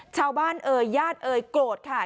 ชาวบ้านเอ่ยญาติเอ่ยโกรธค่ะ